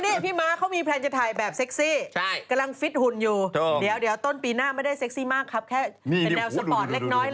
นี่พี่ม้าเขามีแพลนจะถ่ายแบบเซ็กซี่กำลังฟิตหุ่นอยู่เดี๋ยวต้นปีหน้าไม่ได้เซ็กซี่มากครับแค่เป็นแนวสปอร์ตเล็กน้อย